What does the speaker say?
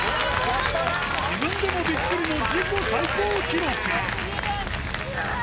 自分でもびっくりの自己最高記録うわぁ！